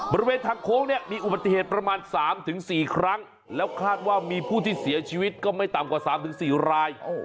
บริเวณทางโค้งเนี่ยมีอุบัติเหตุประมาณ๓๔ครั้งแล้วคาดว่ามีผู้ที่เสียชีวิตก็ไม่ต่ำกว่า๓๔ราย